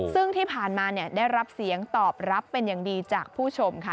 ซึ่งที่ผ่านมาได้รับเสียงตอบรับเป็นอย่างดีจากผู้ชมค่ะ